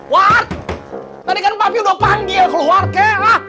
panggil keluar ke